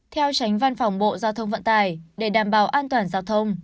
theo tránh văn phòng bộ giao thông vận tải để đảm bảo an toàn giao thông